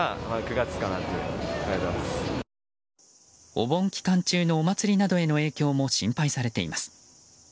お盆期間中のお祭りなどへの影響も心配されています。